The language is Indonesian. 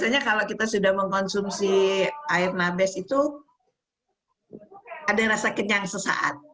biasanya kalau kita sudah mengkonsumsi air nabis itu ada rasa kenyang sesaat dia akan membuat